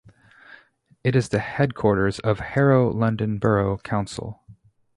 It is the headquarters of Harrow London Borough Council.